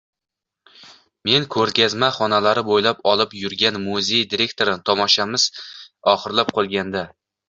Men ko’rgazma xonalari bo’ylab olib yurgan muzey direktori tomoshamiz oxirlab qolganda: